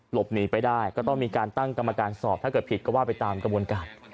หลบหนีไปได้ก็ต้องมีการตั้งกรรมการสอบถ้าเกิดผิดก็ว่าไปตามกระบวนการ